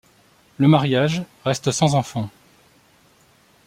Le mariage reste sans enfants.